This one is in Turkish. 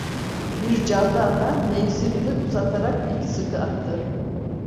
Bir candarma mavzerini uzatarak iki sıkı attı.